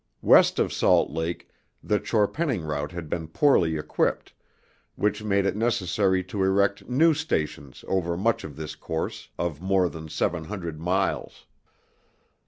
West of Salt Lake the old Chorpenning route had been poorly equipped, which made it necessary to erect new stations over much of this course of more than seven hundred miles.